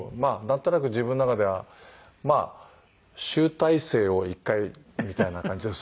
なんとなく自分の中では集大成を１回みたいな感じの。